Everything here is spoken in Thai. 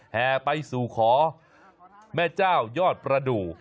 แห่ไปสู่ขอแม่เจ้ายอดประดูก